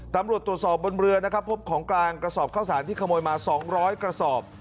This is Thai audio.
ตำรวจตรวจสอบบนเรือนะครับพบของกลางกระสอบข้าวสารที่ขโมยมา๒๐๐กระสอบ